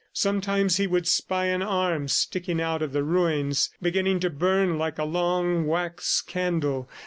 Sometimes he would spy an arm sticking out of the ruins, beginning to burn like a long wax candle.